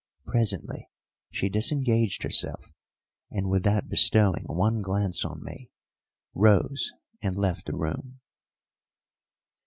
Presently she disengaged herself, and, without bestowing one glance on me, rose and left the room.